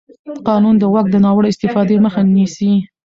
قانون د واک د ناوړه استفادې مخه نیسي.